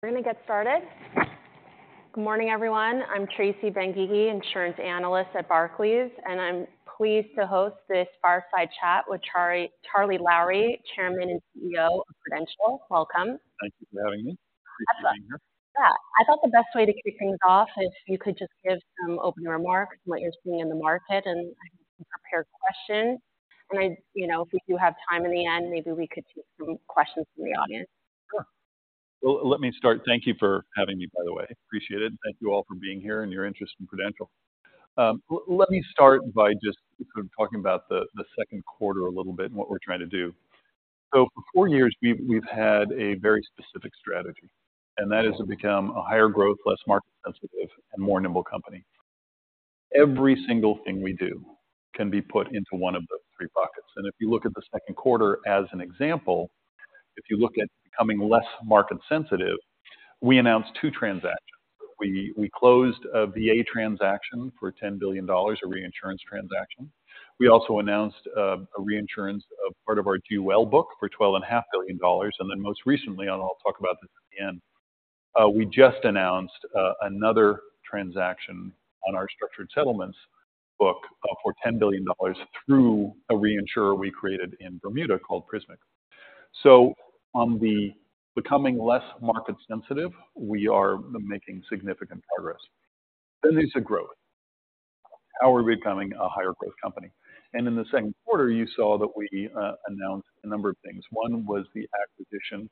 We're going to get started. Good morning, everyone. I'm Tracy Dolin-Benguigui, Insurance Analyst at Barclays, and I'm pleased to host this fireside chat with Charlie Lowrey, Chairman and CEO of Prudential. Welcome. Thank you for having me. Appreciate being here. Yeah. I thought the best way to kick things off is if you could just give some opening remarks on what you're seeing in the market, and I have some prepared questions. You know, if we do have time in the end, maybe we could take some questions from the audience. Sure. Well, let me start. Thank you for having me, by the way. Appreciate it. Thank you all for being here and your interest in Prudential. Let me start by just kind of talking about the second quarter a little bit and what we're trying to do. So for four years, we've had a very specific strategy, and that is to become a higher growth, less market sensitive and more nimble company. Every single thing we do can be put into one of those three buckets. And if you look at the second quarter as an example, if you look at becoming less market sensitive, we announced two transactions. We closed a VA transaction for $10 billion, a reinsurance transaction. We also announced a reinsurance of part of our GUL book for $12.5 billion. Then most recently, and I'll talk about this at the end, we just announced another transaction on our structured settlements book for $10 billion through a reinsurer we created in Bermuda, called Prismic. So on the becoming less market sensitive, we are making significant progress. Then there's the growth. How are we becoming a higher growth company? And in the second quarter, you saw that we announced a number of things. One was the acquisition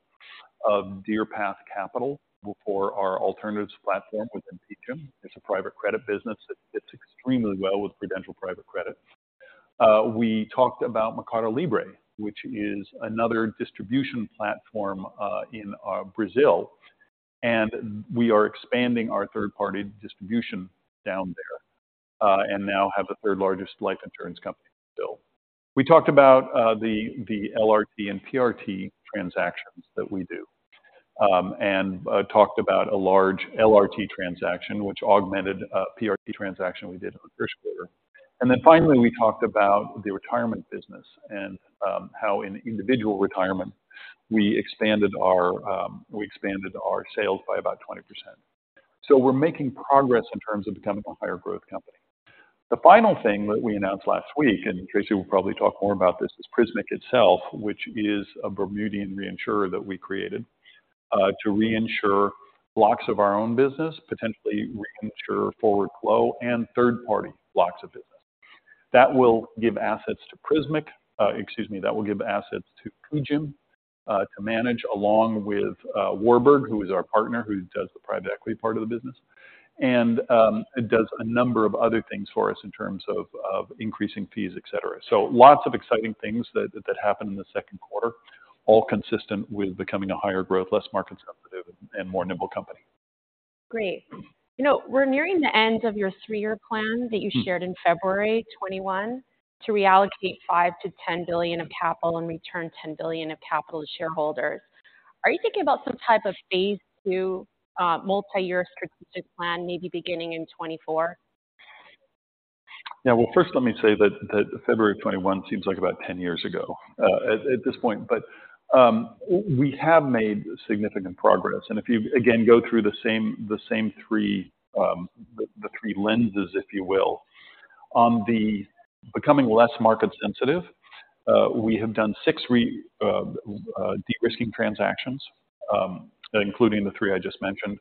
of Deerpath Capital for our alternatives platform with PGIM. It's a private credit business that fits extremely well with Prudential private credit. We talked about Mercado Libre, which is another distribution platform in Brazil, and we are expanding our third-party distribution down there, and now have the third largest life insurance company in Brazil. We talked about the LRT and PRT transactions that we do, and talked about a large LRT transaction, which augmented a PRT transaction we did in the first quarter. And then finally, we talked about the retirement business and how in individual retirement, we expanded our sales by about 20%. So we're making progress in terms of becoming a higher growth company. The final thing that we announced last week, and Tracy will probably talk more about this, is Prismic itself, which is a Bermudian reinsurer that we created to reinsure blocks of our own business, potentially reinsure forward flow and third-party blocks of business. That will give assets to Prismic, excuse me, that will give assets to PGIM to manage, along with Warburg, who is our partner, who does the private equity part of the business, and it does a number of other things for us in terms of increasing fees, et cetera. So lots of exciting things that that happened in the second quarter, all consistent with becoming a higher growth, less market sensitive and more nimble company. Great. You know, we're nearing the end of your three-year plan that you shared in February 2021, to reallocate $5 billion-$10 billion of capital and return $10 billion of capital to shareholders. Are you thinking about some type of phase two, multiyear strategic plan, maybe beginning in 2024? Yeah. Well, first, let me say that that February of 2021 seems like about 10 years ago at this point, but we have made significant progress. And if you again go through the same three lenses, if you will. On the becoming less market sensitive, we have done 6 de-risking transactions, including the 3 I just mentioned.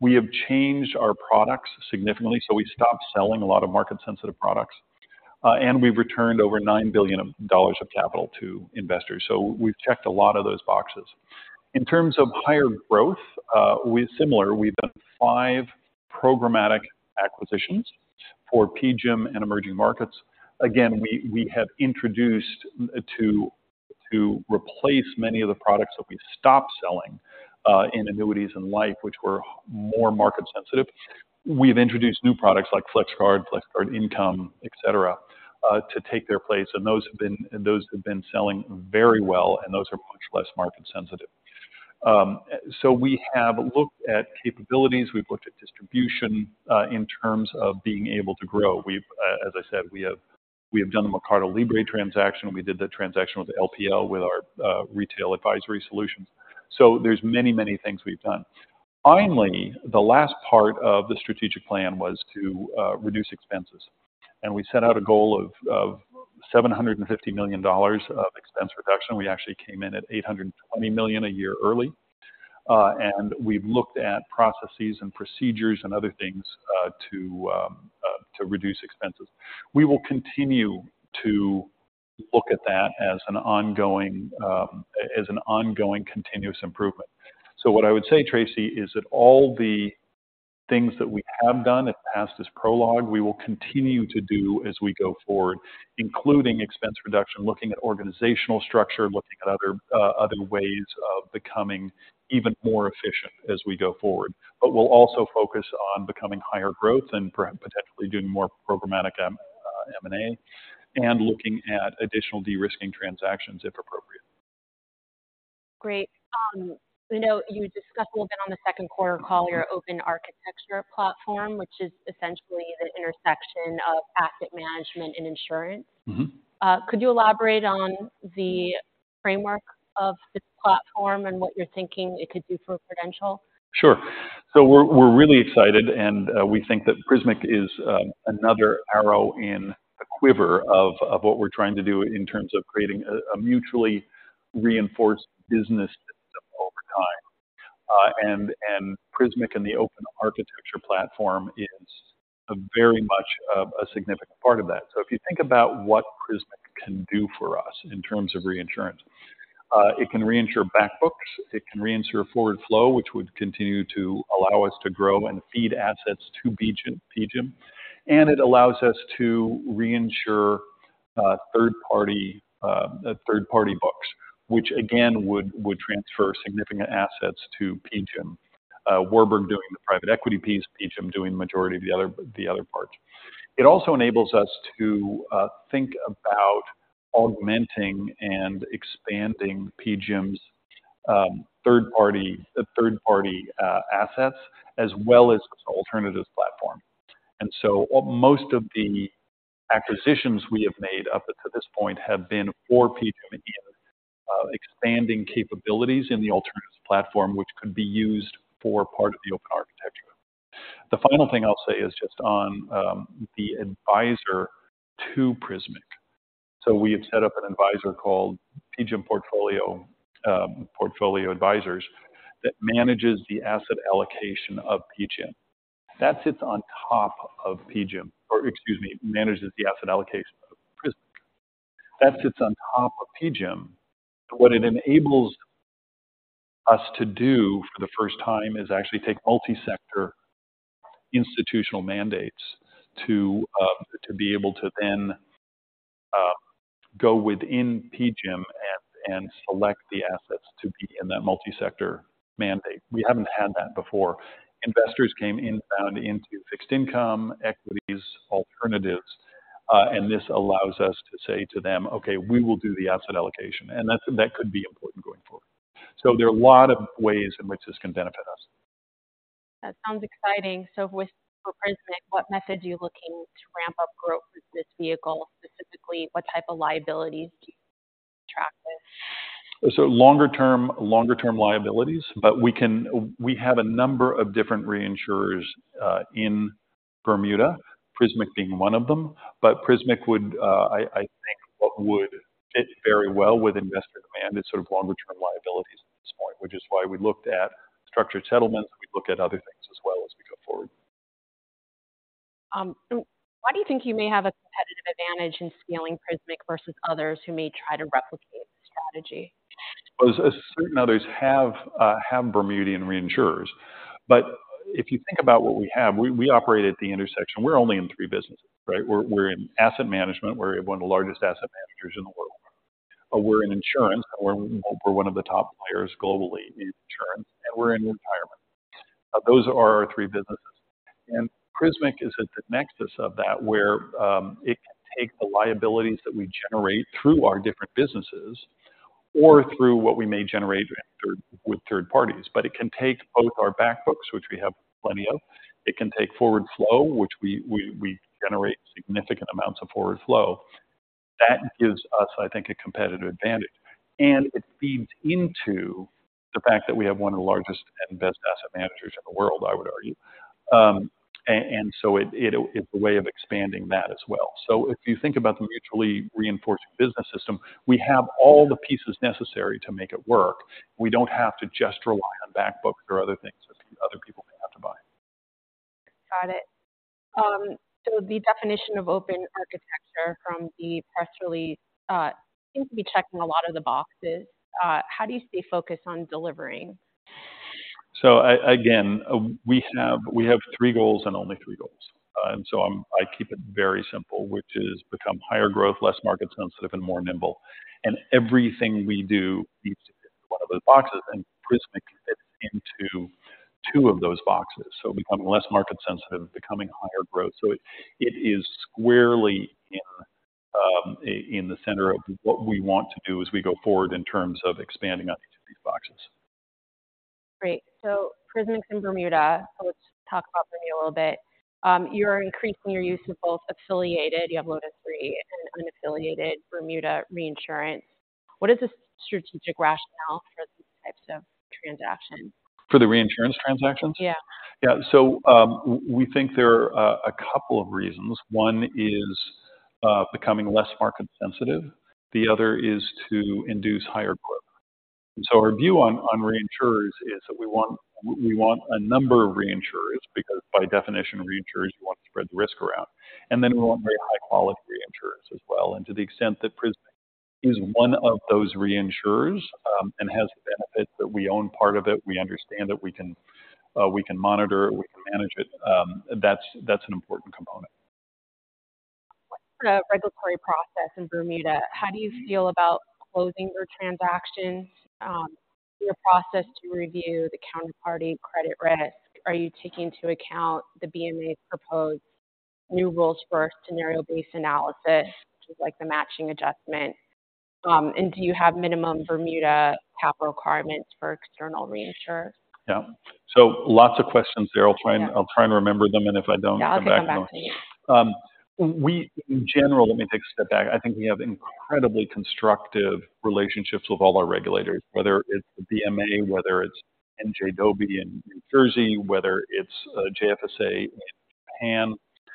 We have changed our products significantly, so we stopped selling a lot of market-sensitive products, and we've returned over $9 billion of capital to investors. So we've checked a lot of those boxes. In terms of higher growth, we're similar. We've done 5 programmatic acquisitions for PGIM and emerging markets. Again, we have introduced to replace many of the products that we've stopped selling in annuities and life, which were more market sensitive. We've introduced new products like FlexGuard, FlexGuard Income, et cetera, to take their place, and those have been selling very well, and those are much less market sensitive. So we have looked at capabilities, we've looked at distribution in terms of being able to grow. As I said, we have done the Mercado Libre transaction. We did the transaction with LPL, with our retail advisory solutions. So there's many, many things we've done. Finally, the last part of the strategic plan was to reduce expenses, and we set out a goal of $750 million of expense reduction. We actually came in at $820 million a year early, and we've looked at processes and procedures and other things, to reduce expenses. We will continue to look at that as an ongoing, as an ongoing continuous improvement. So what I would say, Tracy, is that all the things that we have done that past is prologue, we will continue to do as we go forward, including expense reduction, looking at organizational structure, looking at other, other ways of becoming even more efficient as we go forward. But we'll also focus on becoming higher growth and perhaps potentially doing more programmatic, M&A, and looking at additional de-risking transactions, if appropriate. Great. I know you discussed a little bit on the second quarter call, your Open Architecture Platform, which is essentially the intersection of asset management and insurance. Mm-hmm. Could you elaborate on the framework of this platform and what you're thinking it could do for Prudential? Sure. So we're really excited, and we think that Prismic is another arrow in the quiver of what we're trying to do in terms of creating a mutually reinforced business system over time. And Prismic and the Open Architecture Platform is very much a significant part of that. So if you think about what Prismic can do for us in terms of reinsurance, it can reinsure back books, it can reinsure forward flow, which would continue to allow us to grow and feed assets to PGIM. And it allows us to reinsure third-party books, which again would transfer significant assets to PGIM. Warburg doing the private equity piece, PGIM doing the majority of the other parts. It also enables us to think about augmenting and expanding PGIM's third-party assets as well as alternatives platform. So most of the acquisitions we have made up to this point have been for PGIM, expanding capabilities in the alternatives platform, which could be used for part of the open architecture. The final thing I'll say is just on the advisor to Prismic. We have set up an advisor called PGIM Portfolio Advisors that manages the asset allocation of PGIM. That sits on top of PGIM, or excuse me, manages the asset allocation of Prismic. That sits on top of PGIM. What it enables us to do for the first time is actually take multi-sector institutional mandates to be able to then go within PGIM and select the assets to be in that multi-sector mandate. We haven't had that before. Investors came inbound into fixed income, equities, alternatives, and this allows us to say to them, "Okay, we will do the asset allocation." And that's, that could be important going forward. So there are a lot of ways in which this can benefit us. That sounds exciting. So with Prismic, what methods are you looking to ramp up growth with this vehicle? Specifically, what type of liabilities do you attract with? So longer term, longer term liabilities, but we have a number of different reinsurers in Bermuda, Prismic being one of them. But Prismic would, I think, what would fit very well with investor demand is sort of longer-term liabilities at this point, which is why we looked at structured settlements, and we look at other things as well as we go forward. Why do you think you may have a competitive advantage in scaling Prismic versus others who may try to replicate the strategy? Well, certain others have Bermudian reinsurers. But if you think about what we have, we operate at the intersection. We're only in three businesses, right? We're in asset management. We're one of the largest asset managers in the world. We're in insurance, and we're one of the top players globally in insurance, and we're in retirement. Those are our three businesses. And Prismic is at the nexus of that, where it can take the liabilities that we generate through our different businesses or through what we may generate with third parties. But it can take both our back books, which we have plenty of. It can take forward flow, which we generate significant amounts of forward flow. That gives us, I think, a competitive advantage, and it feeds into the fact that we have one of the largest and best asset managers in the world, I would argue. And so it's a way of expanding that as well. So if you think about the mutually reinforced business system, we have all the pieces necessary to make it work. We don't have to just rely on back books or other things that other people may have to buy. Got it. So the definition of open architecture from the press release seems to be checking a lot of the boxes. How do you stay focused on delivering? So again, we have, we have three goals and only three goals. And so I keep it very simple, which is become higher growth, less market sensitive, and more nimble. And everything we do needs to fit into one of those boxes, and Prismic fits into two of those boxes. So becoming less market sensitive, becoming higher growth. So it is squarely in, in the center of what we want to do as we go forward in terms of expanding on each of these boxes. Great. So Prismic in Bermuda. So let's talk about Bermuda a little bit. You're increasing your use of both affiliated, you have Lotus Re, and unaffiliated Bermuda reinsurance. What is the strategic rationale for these types of transactions? For the reinsurance transactions? Yeah. Yeah. So, we think there are a couple of reasons. One is becoming less market sensitive, the other is to induce higher growth. And so our view on reinsurers is that we want a number of reinsurers, because by definition, reinsurers, you want to spread the risk around, and then we want very high-quality reinsurers as well. And to the extent that Prismic is one of those reinsurers, and has the benefit that we own part of it, we understand it, we can monitor it, we can manage it, that's an important component. What's the regulatory process in Bermuda? How do you feel about closing your transactions, your process to review the counterparty credit risk? Are you taking into account the BMA's proposed new rules for a scenario-based analysis, which is like the matching adjustment? And do you have minimum Bermuda capital requirements for external reinsurers? Yeah. So lots of questions there. Yeah. I'll try and remember them, and if I don't- Yeah, I'll come back to you. We, in general, let me take a step back. I think we have incredibly constructive relationships with all our regulators, whether it's the BMA, whether it's NJDOBI in New Jersey, whether it's JFSA in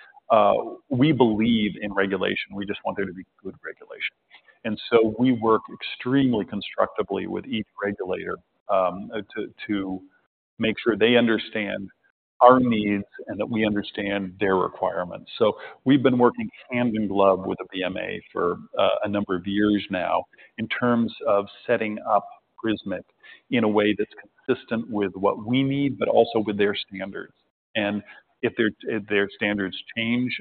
Japan, we believe in regulation. We just want there to be good regulation. And so we work extremely constructively with each regulator, to make sure they understand our needs and that we understand their requirements. So we've been working hand in glove with the BMA for a number of years now in terms of setting up Prismic in a way that's consistent with what we need, but also with their standards. And if their standards change,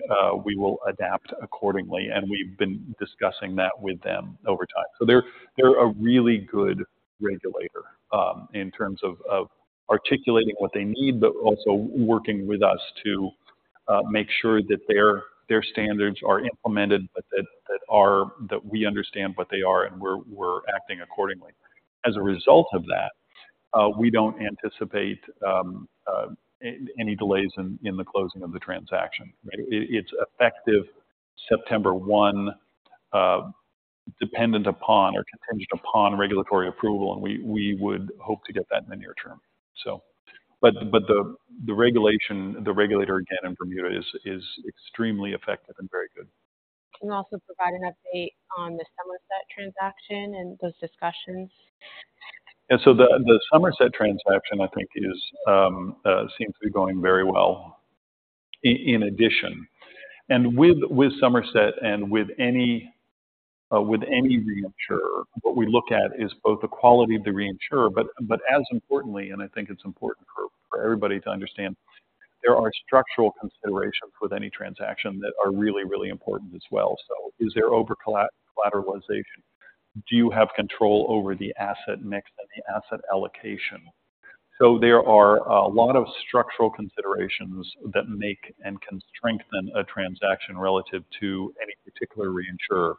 we will adapt accordingly, and we've been discussing that with them over time. So they're a really good regulator in terms of articulating what they need, but also working with us to make sure that their standards are implemented, but that we understand what they are and we're acting accordingly. As a result of that, we don't anticipate any delays in the closing of the transaction. It's effective September 1, dependent upon or contingent upon regulatory approval, and we would hope to get that in the near term. But the regulation, the regulator, again, in Bermuda is extremely effective and very good. Can you also provide an update on the Somerset transaction and those discussions? And so the Somerset transaction, I think, seems to be going very well in addition. And with Somerset and with any reinsurer, what we look at is both the quality of the reinsurer, but as importantly, and I think it's important for everybody to understand, there are structural considerations with any transaction that are really, really important as well. So is there overcollateralization? Do you have control over the asset mix and the asset allocation? So there are a lot of structural considerations that make and can strengthen a transaction relative to any particular reinsurer.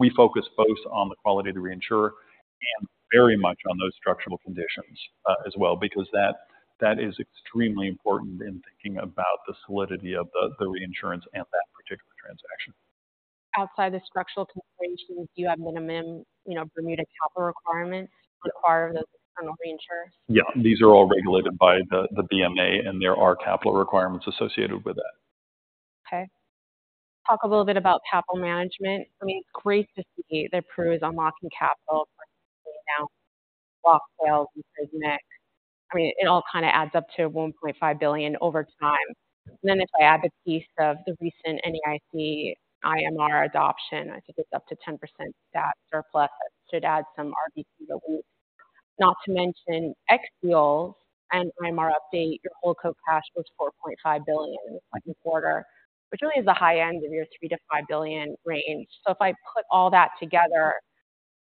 We focus both on the quality of the reinsurer and very much on those structural conditions as well, because that is extremely important in thinking about the solidity of the reinsurance and that particular transaction. Outside the structural considerations, do you have minimum, you know, Bermuda capital requirements require those internal reinsurers? Yeah, these are all regulated by the BMA, and there are capital requirements associated with that. Okay. Talk a little bit about capital management. I mean, it's great to see that Pru is unlocking capital from block sales and Prismic. I mean, it all kind of adds up to $1.5 billion over time. And then if I add the piece of the recent NAIC IMR adoption, I think it's up to 10% that surplus should add some RBC to the group. Not to mention, ex-flows and IMR update, your free cash was $4.5 billion in the second quarter, which really is the high end of your $3 billion-$5 billion range. So if I put all that together,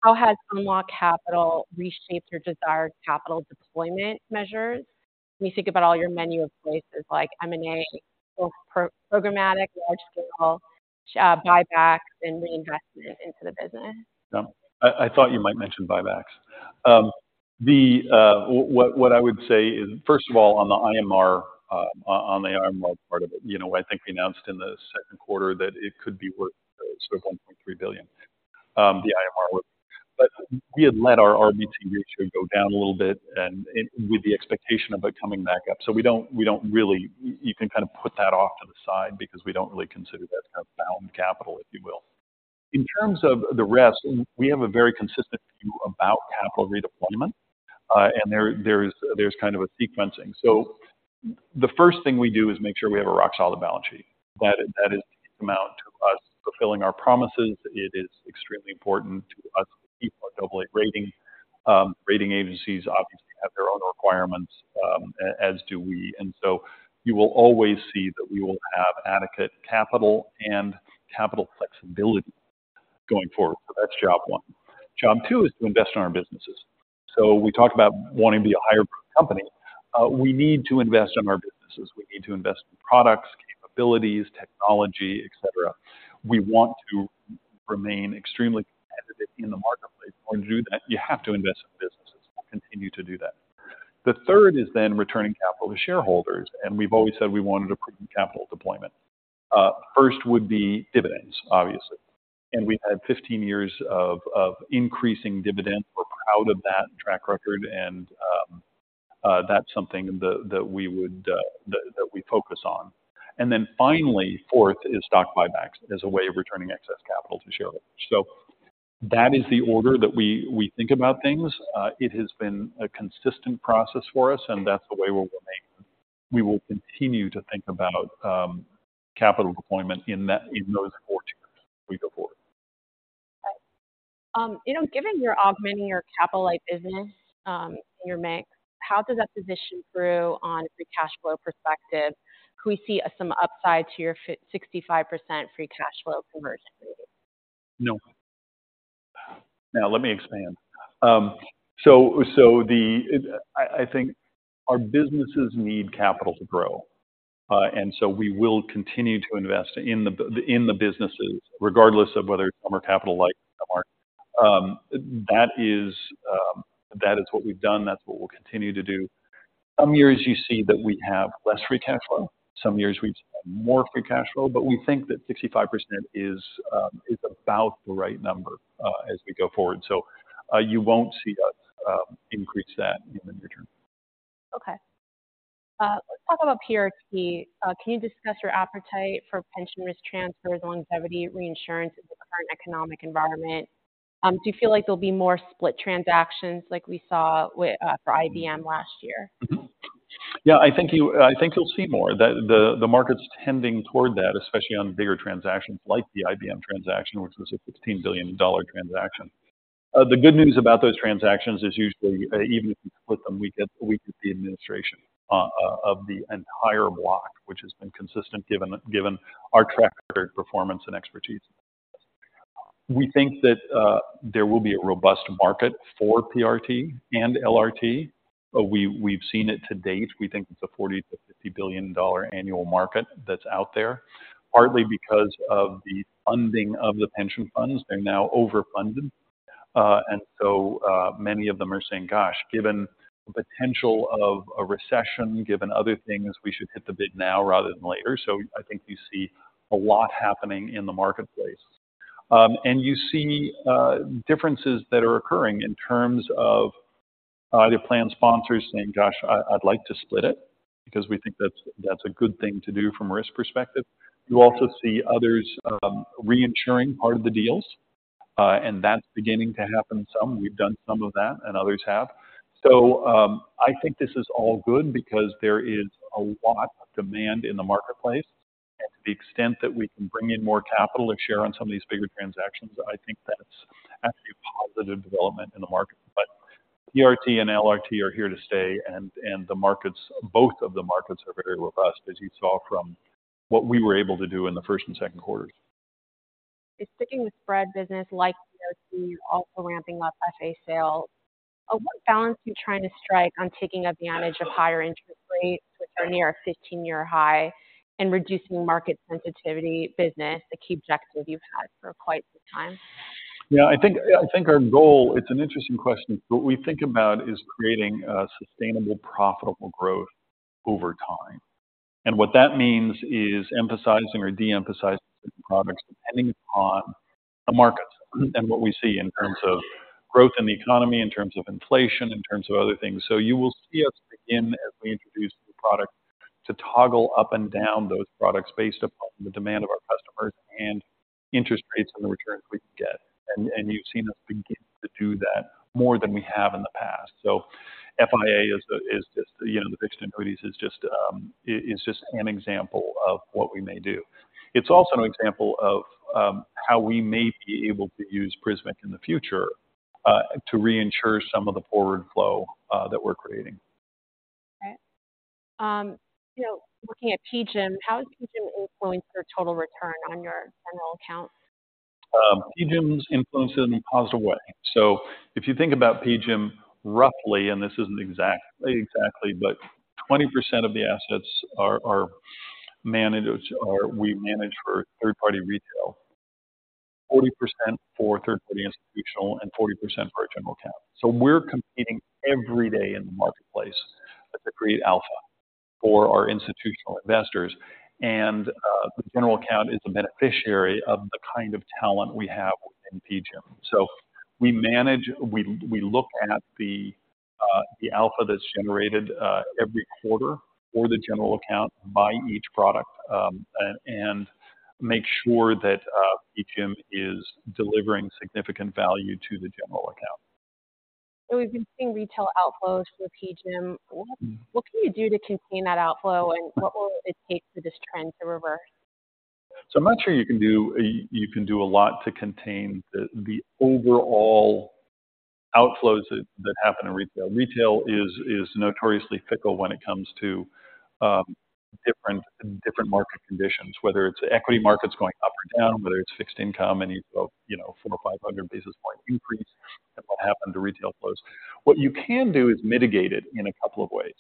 how has unlocked capital reshaped your desired capital deployment measures? When you think about all your menu of places like M&A, both programmatic, large-scale, buybacks and reinvestment into the business. No, I thought you might mention buybacks. What I would say is, first of all, on the IMR, on the IMR part of it, you know, I think we announced in the second quarter that it could be worth $1.3 billion, the IMR. But we had let our RBC ratio go down a little bit, and with the expectation of it coming back up. So we don't, we don't really... You can kind of put that off to the side because we don't really consider that kind of bound capital, if you will. In terms of the rest, we have a very consistent view about capital redeployment, and there, there is, there's kind of a sequencing. So the first thing we do is make sure we have a rock-solid balance sheet, that is the amount to us fulfilling our promises. It is extremely important to us to keep our double-A rating. Rating agencies obviously have their own requirements, as do we. And so you will always see that we will have adequate capital and capital flexibility going forward. So that's job one. Job two is to invest in our businesses. So we talked about wanting to be a higher company. We need to invest in our businesses. We need to invest in products, capabilities, technology, et cetera. We want to remain extremely competitive in the marketplace. In order to do that, you have to invest in businesses. We'll continue to do that. The third is then returning capital to shareholders, and we've always said we wanted a prudent capital deployment. First would be dividends, obviously, and we've had 15 years of increasing dividends. We're proud of that track record, and that's something that we focus on. And then finally, fourth is stock buybacks as a way of returning excess capital to shareholders. So that is the order that we think about things. It has been a consistent process for us, and that's the way we will make. We will continue to think about capital deployment in those four tiers as we go forward. You know, given you're augmenting your capital light business, in your mix, how does that position through on a free cash flow perspective? Can we see some upside to your target 65% free cash flow conversion rate? No. Now, let me expand. So the... I think our businesses need capital to grow, and so we will continue to invest in the businesses, regardless of whether some are capital like or not. That is, that is what we've done, that's what we'll continue to do. Some years you see that we have less free cash flow, some years we have more free cash flow, but we think that 65% is about the right number, as we go forward. So, you won't see us increase that in the near term. Okay. Let's talk about PRT. Can you discuss your appetite for pension risk transfers on 70% reinsurance in the current economic environment? Do you feel like there'll be more split transactions like we saw with, for IBM last year? Yeah, I think you'll see more. The market's tending toward that, especially on bigger transactions like the IBM transaction, which was a $15 billion transaction. The good news about those transactions is usually, even if you split them, we get the administration of the entire block, which has been consistent, given our track record, performance, and expertise. We think that there will be a robust market for PRT and LRT. But we, we've seen it to date. We think it's a $40 billion-$50 billion annual market that's out there, partly because of the funding of the pension funds. They're now overfunded. And so, many of them are saying, "Gosh, given the potential of a recession, given other things, we should hit the bid now rather than later." So I think you see a lot happening in the marketplace. And you see, differences that are occurring in terms of, the plan sponsors saying, "Gosh, I'd like to split it because we think that's a good thing to do from risk perspective." You also see others, reinsuring part of the deals, and that's beginning to happen some. We've done some of that, and others have. So, I think this is all good because there is a lot of demand in the marketplace. And to the extent that we can bring in more capital to share on some of these bigger transactions, I think that's actually a positive development in the market. But PRT and LRT are here to stay, and the markets, both of the markets are very robust, as you saw from what we were able to do in the first and second quarters. Sticking with spread business like GICs, also ramping up FA sales, what balance are you trying to strike on taking advantage of higher interest rates, which are near a 15-year high, and reducing market sensitivity business, a key objective you've had for quite some time? Yeah, I think, I think our goal... It's an interesting question. What we think about is creating a sustainable, profitable growth over time. And what that means is emphasizing or de-emphasizing products, depending upon the markets and what we see in terms of growth in the economy, in terms of inflation, in terms of other things. So you will see us begin, as we introduce new product, to toggle up and down those products based upon the demand of our customers and interest rates on the returns we can get. And, and you've seen us begin to do that more than we have in the past. So FIA is the, is just, you know, the fixed annuities is just, is just an example of what we may do. It's also an example of how we may be able to use Prismic in the future to reinsure some of the forward flow that we're creating. Okay. You know, looking at PGIM, how is PGIM influencing your total return on your general account? PGIM's influencing in a positive way. So if you think about PGIM, roughly, and this isn't exactly, but 20% of the assets are managed or we manage for third-party retail, 40% for third-party institutional, and 40% for our general account. So we're competing every day in the marketplace to create alpha for our institutional investors, and the general account is a beneficiary of the kind of talent we have within PGIM. So we manage, we look at the alpha that's generated every quarter for the general account by each product, and make sure that PGIM is delivering significant value to the general account. So we've been seeing retail outflows for PGIM. What, what can you do to contain that outflow, and what will it take for this trend to reverse? I'm not sure you can do a lot to contain the overall outflows that happen in retail. Retail is notoriously fickle when it comes to different market conditions, whether it's equity markets going up or down, whether it's fixed income, and you've got, you know, 400 or 500 basis points increase, that will happen to retail flows. What you can do is mitigate it in a couple of ways.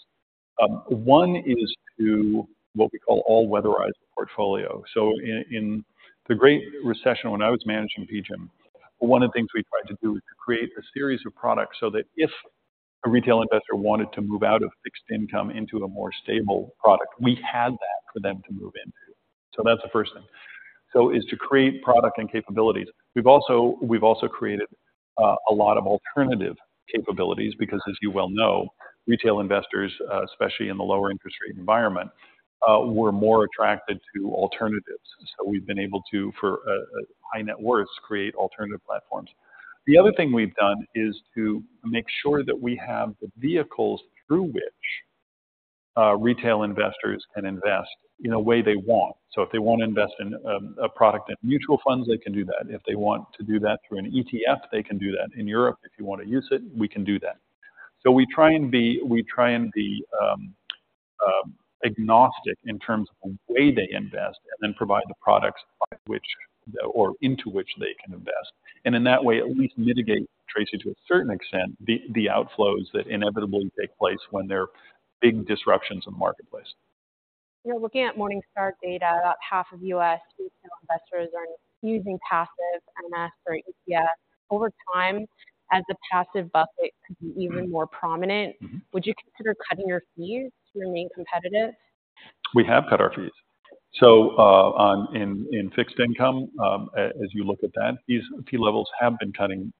One is to what we call all-weatherized portfolio. So in the Great Recession, when I was managing PGIM, one of the things we tried to do is to create a series of products so that if a retail investor wanted to move out of fixed income into a more stable product, we had that for them to move into. So that's the first thing, so is to create product and capabilities. We've also, we've also created a lot of alternative capabilities because, as you well know, retail investors, especially in the lower interest rate environment, were more attracted to alternatives. So we've been able to, for high net worths, create alternative platforms. The other thing we've done is to make sure that we have the vehicles through which retail investors can invest in a way they want. So if they want to invest in a product in mutual funds, they can do that. If they want to do that through an ETF, they can do that. In Europe, if you want to use it, we can do that. So we try and be agnostic in terms of the way they invest and then provide the products by which or into which they can invest. And in that way, at least mitigate, Tracy, to a certain extent, the outflows that inevitably take place when there are big disruptions in markets.... You know, looking at Morningstar data, about half of U.S. retail investors are using passive MFs or ETF. Over time, as the passive bucket could be even more prominent- Mm-hmm. Would you consider cutting your fees to remain competitive? We have cut our fees. So, in fixed income, as you look at that, these fee levels have been coming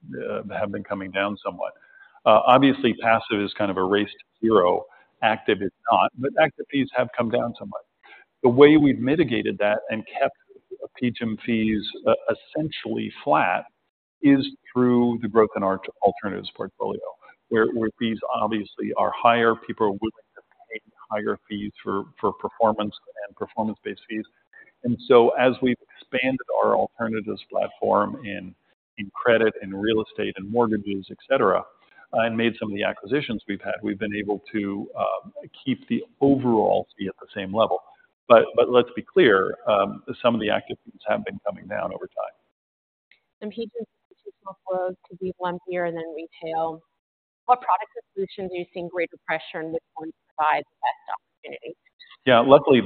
down somewhat. Obviously, passive is kind of a race to zero. Active is not, but active fees have come down somewhat. The way we've mitigated that and kept PGIM fees essentially flat is through the open architecture Alternatives portfolio, where fees obviously are higher. People are willing to pay higher fees for performance and performance-based fees. And so as we've expanded our alternatives platform in credit and real estate and mortgages, et cetera, and made some of the acquisitions we've had, we've been able to keep the overall fee at the same level. But let's be clear, some of the active fees have been coming down over time. Some PGIM institutional flows could be lumpier than retail. What product or solution are you seeing greater pressure, and which one provides the best opportunity? Yeah, luckily,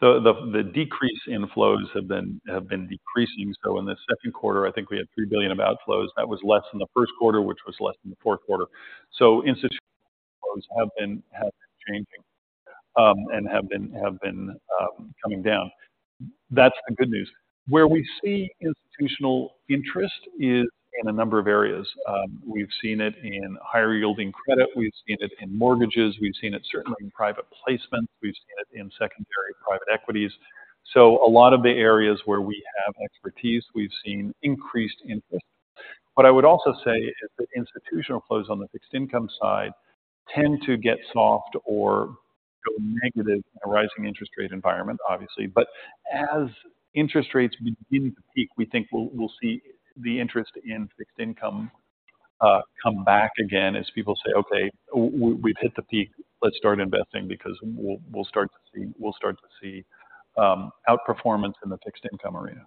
the decrease in flows have been decreasing. So in the second quarter, I think we had $3 billion of outflows. That was less than the first quarter, which was less than the fourth quarter. So institutional flows have been changing, and have been coming down. That's the good news. Where we see institutional interest is in a number of areas. We've seen it in higher-yielding credit, we've seen it in mortgages, we've seen it certainly in private placements, we've seen it in secondary private equities. So a lot of the areas where we have expertise, we've seen increased interest. What I would also say is that institutional flows on the fixed income side tend to get soft or go negative in a rising interest rate environment, obviously. But as interest rates begin to peak, we think we'll see the interest in fixed income come back again as people say, "Okay, we've hit the peak. Let's start investing," because we'll start to see outperformance in the fixed income arena.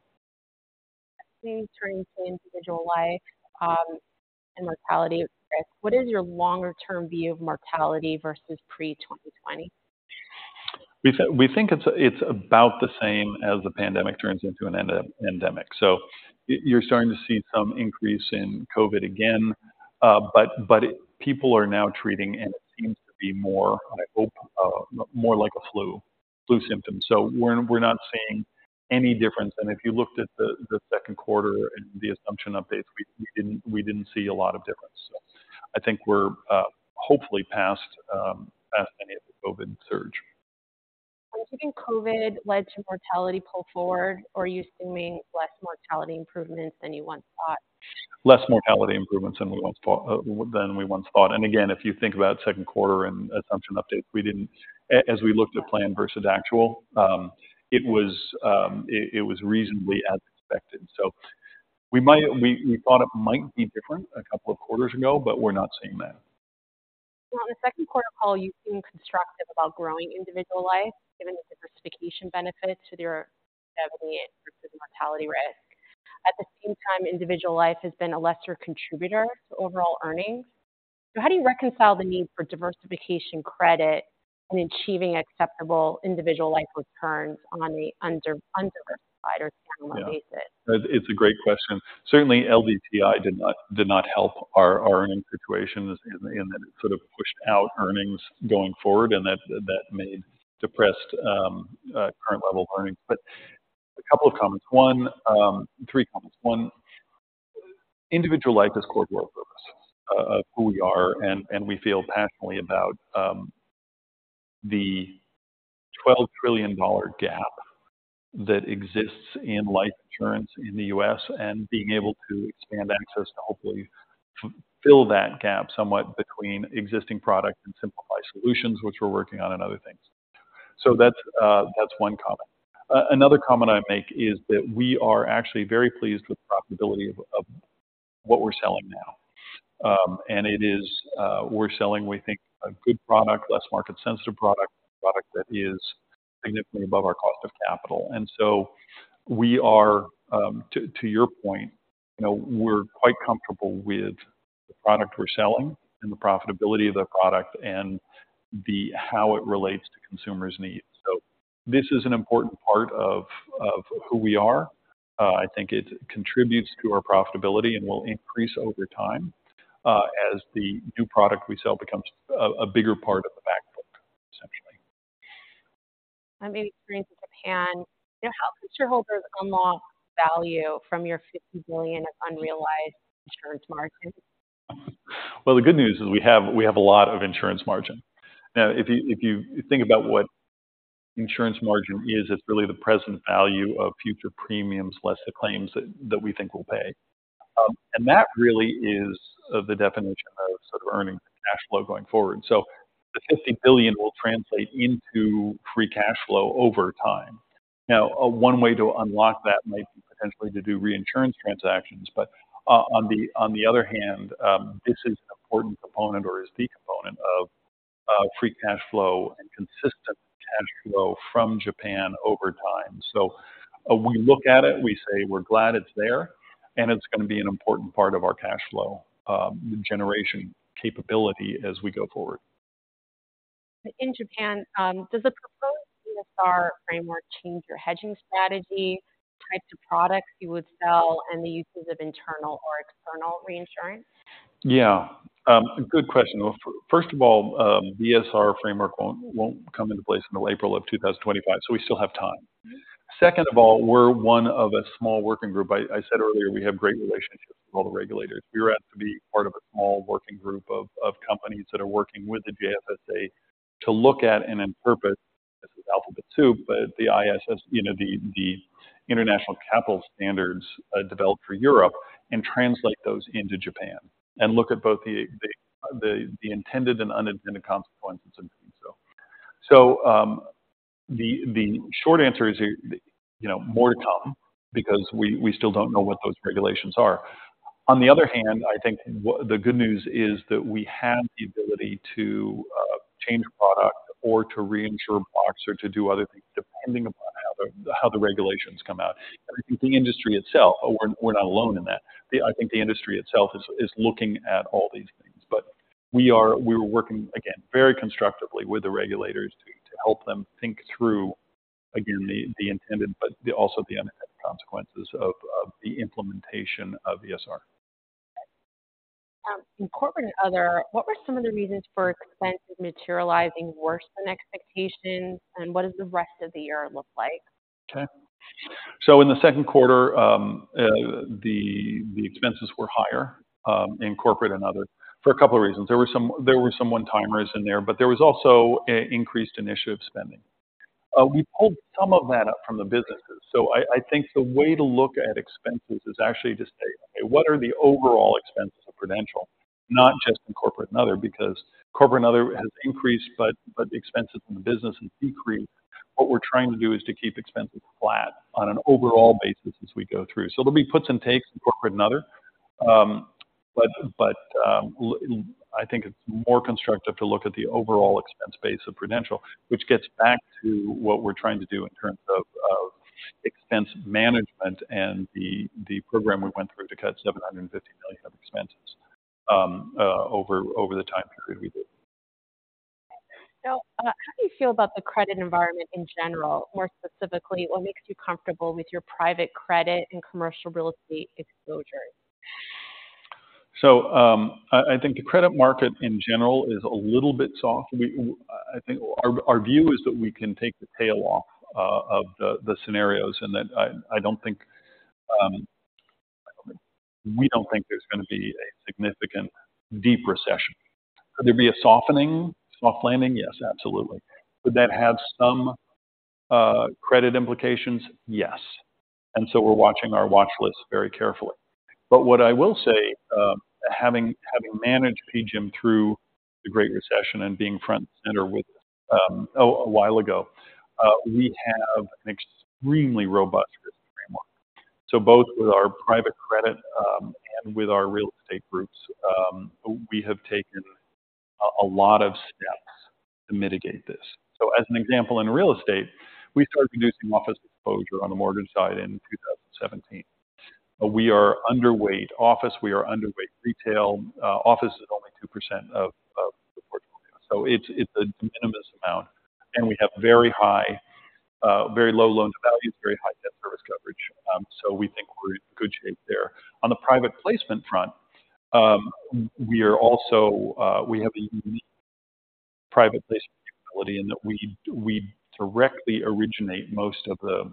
Turning to individual life, and mortality risk, what is your longer-term view of mortality versus pre-2020? We think it's about the same as the pandemic turns into an endemic. So you're starting to see some increase in COVID again, but people are now treating, and it seems to be more, I hope, more like a flu symptoms. So we're not seeing any difference. And if you looked at the second quarter and the assumption updates, we didn't see a lot of difference. So I think we're hopefully past any of the COVID surge. Do you think COVID led to mortality pull forward, or are you assuming less mortality improvements than you once thought? Less mortality improvements than we once thought, than we once thought. And again, if you think about second quarter and assumption updates, we didn't as we looked at plan versus actual, it was reasonably as expected. So we might, we thought it might be different a couple of quarters ago, but we're not seeing that. Well, in the second quarter call, you've been constructive about growing individual life, given the diversification benefits to their mortality risk. At the same time, individual life has been a lesser contributor to overall earnings. So how do you reconcile the need for diversification credit in achieving acceptable individual life returns on the under-risk side or on a basis? Yeah. It's a great question. Certainly, LDTI did not help our earnings situation in that it sort of pushed out earnings going forward, and that made depressed current level of earnings. But a couple of comments. One, three comments. One, individual life is core to our purpose of who we are, and we feel passionately about the $12 trillion gap that exists in life insurance in the U.S. and being able to expand access to hopefully fill that gap somewhat between existing products and simplified solutions, which we're working on, and other things. So that's one comment. Another comment I'd make is that we are actually very pleased with the profitability of what we're selling now. And it is, we're selling, we think, a good product, less market-sensitive product, a product that is significantly above our cost of capital. And so we are, to your point, you know, we're quite comfortable with the product we're selling and the profitability of the product and the, how it relates to consumers' needs. So this is an important part of who we are. I think it contributes to our profitability and will increase over time, as the new product we sell becomes a bigger part of the back book, essentially. Having experience with Japan, you know, how could shareholders unlock value from your $50 billion of unrealized insurance margin? Well, the good news is we have a lot of insurance margin. Now, if you think about what insurance margin is, it's really the present value of future premiums less the claims that we think will pay. And that really is the definition of sort of earnings and cash flow going forward. So the $50 billion will translate into free cash flow over time. Now, one way to unlock that might be potentially to do reinsurance transactions, but on the other hand, this is an important component or is the component of free cash flow and consistent cash flow from Japan over time. So we look at it, we say we're glad it's there, and it's going to be an important part of our cash flow generation capability as we go forward. In Japan, does the proposed ESR framework change your hedging strategy, types of products you would sell, and the uses of internal or external reinsurance? Yeah. Good question. Well, first of all, ESR framework won't come into place until April of 2025, so we still have time. Second of all, we're one of a small working group. I said earlier, we have great relationships with all the regulators. We were asked to be part of a small working group of companies that are working with the JFSA to look at and then propose ICS, but the ICS, you know, the international capital standards, developed for Europe and translate those into Japan and look at both the intended and unintended consequences of doing so. So, the short answer is, you know, more to come because we still don't know what those regulations are. On the other hand, I think the good news is that we have the ability to change product or to reinsure blocks or to do other things, depending upon how the regulations come out. I think the industry itself, we're not alone in that. I think the industry itself is looking at all these things. But we're working, again, very constructively with the regulators to help them think through, again, the intended, but also the unintended consequences of the implementation of ESR. In corporate and other, what were some of the reasons for expenses materializing worse than expectations, and what does the rest of the year look like? Okay. So in the second quarter, the expenses were higher in corporate and other, for a couple of reasons. There were some one-timers in there, but there was also a increased initiative spending. We pulled some of that up from the businesses. So I think the way to look at expenses is actually just say, what are the overall expenses of Prudential, not just in corporate and other, because corporate and other has increased, but the expenses in the business has decreased. What we're trying to do is to keep expenses flat on an overall basis as we go through. So there'll be puts and takes in corporate and other. But I think it's more constructive to look at the overall expense base of Prudential, which gets back to what we're trying to do in terms of expense management and the program we went through to cut $750 million of expenses over the time period we did. So, how do you feel about the credit environment in general? More specifically, what makes you comfortable with your private credit and commercial real estate exposure? So, I think the credit market in general is a little bit soft. We, I think our view is that we can take the tail off of the scenarios, and that I don't think we don't think there's going to be a significant deep recession. Could there be a softening, soft landing? Yes, absolutely. Would that have some credit implications? Yes. And so we're watching our watch list very carefully. But what I will say, having managed PGIM through the Great Recession and being front and center with a while ago, we have an extremely robust risk framework. So both with our private credit and with our real estate groups, we have taken a lot of steps to mitigate this. As an example, in real estate, we started reducing office exposure on the mortgage side in 2017. We are underweight office, we are underweight retail. Office is only 2% of the portfolio. So it's a de minimis amount, and we have very high, very low loan-to-values, very high debt service coverage. So we think we're in good shape there. On the private placement front, we are also, we have a unique private placement ability in that we directly originate most of the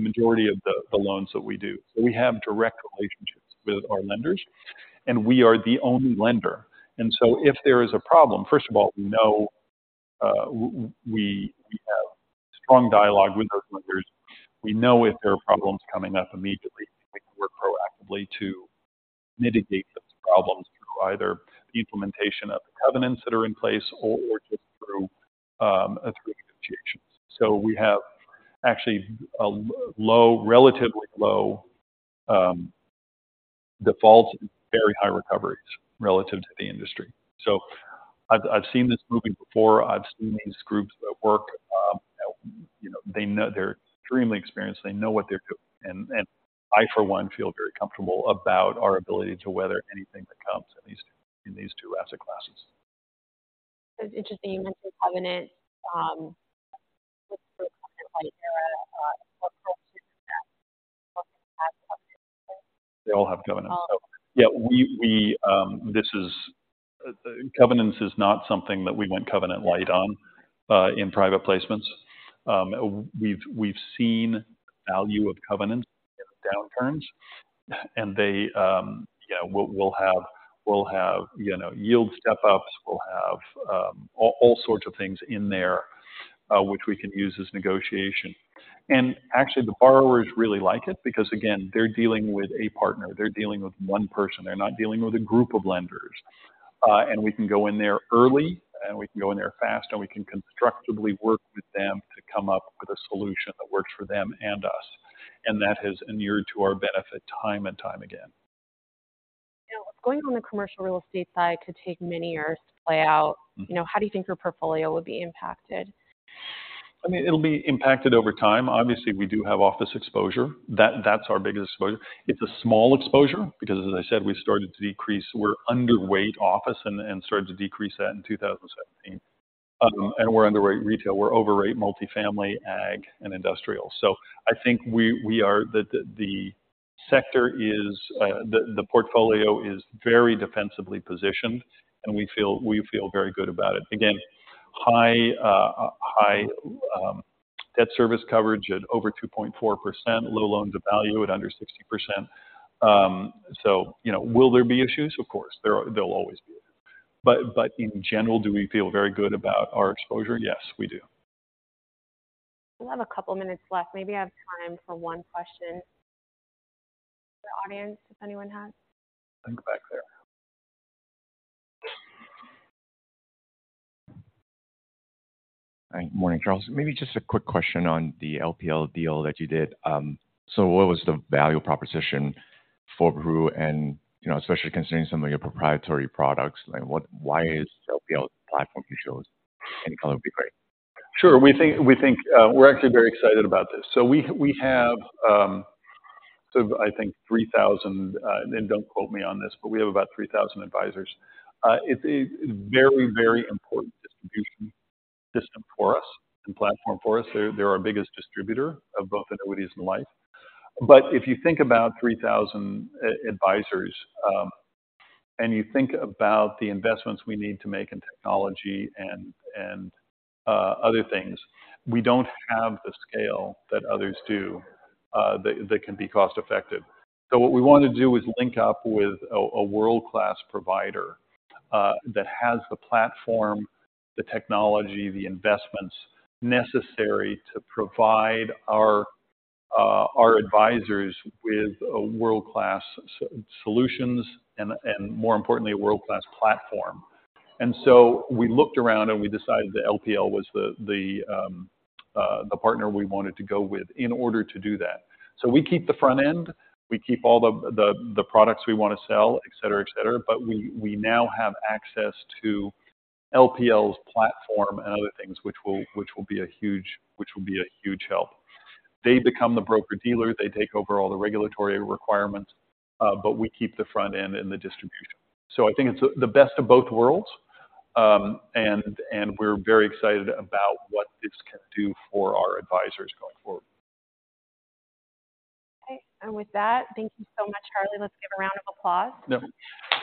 majority of the loans that we do. So we have direct relationships with our lenders, and we are the only lender. And so if there is a problem, first of all, we know, we have strong dialogue with those lenders. We know if there are problems coming up immediately, we can work proactively to mitigate those problems through either implementation of the covenants that are in place or just through negotiations. So we have actually a relatively low defaults and very high recoveries relative to the industry. So I've seen this movie before. I've seen these groups that work, you know, they know they're extremely experienced, they know what they're doing, and I, for one, feel very comfortable about our ability to weather anything that comes in these two asset classes. It's interesting you mentioned covenants. They all have covenants. So, yeah, Covenants is not something that we went covenant light on in private placements. We've seen value of covenants in downturns, and they, yeah, we'll have, you know, yield step-ups. We'll have all sorts of things in there which we can use as negotiation. And actually, the borrowers really like it because, again, they're dealing with a partner. They're dealing with one person. They're not dealing with a group of lenders. And we can go in there early, and we can go in there fast, and we can constructively work with them to come up with a solution that works for them and us, and that has inured to our benefit time and time again. ...Going on the commercial real estate side could take many years to play out. Mm-hmm. You know, how do you think your portfolio will be impacted? I mean, it'll be impacted over time. Obviously, we do have office exposure. That, that's our biggest exposure. It's a small exposure because, as I said, we started to decrease. We're underweight office and started to decrease that in 2017. And we're underweight retail. We're overweight multifamily, ag, and industrial. So I think the portfolio is very defensively positioned, and we feel very good about it. Again, high debt service coverage at over 2.4%, low loan-to-value at under 60%. So, you know, will there be issues? Of course, there are, there'll always be. But in general, do we feel very good about our exposure? Yes, we do. We'll have a couple of minutes left. Maybe I have time for one question from the audience, if anyone has. I think back there. Hi. Good morning, Charles. Maybe just a quick question on the LPL deal that you did. So what was the value proposition for Pru? And, you know, especially considering some of your proprietary products, like what... Why is LPL the platform you chose? Any color would be great. Sure. We think, we think, we're actually very excited about this. So we, we have, so I think 3,000, and don't quote me on this, but we have about 3,000 advisors. It's a very, very important distribution system for us and platform for us. They're, they're our biggest distributor of both annuities and life. But if you think about 3,000 advisors, and you think about the investments we need to make in technology and, and, other things, we don't have the scale that others do, that, that can be cost-effective. So what we want to do is link up with a world-class provider, that has the platform, the technology, the investments necessary to provide our, our advisors with a world-class solutions and, and more importantly, a world-class platform. And so we looked around, and we decided that LPL was the partner we wanted to go with in order to do that. So we keep the front end, we keep all the products we want to sell, et cetera, et cetera, but we now have access to LPL's platform and other things which will be a huge help. They become the broker-dealer. They take over all the regulatory requirements, but we keep the front end and the distribution. So I think it's the best of both worlds. And we're very excited about what this can do for our advisors going forward. Okay. And with that, thank you so much, Charlie. Let's give a round of applause. Yeah.